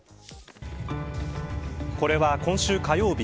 これは今週火曜日